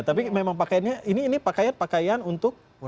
tapi memang pakaiannya ini pakaian pakaian untuk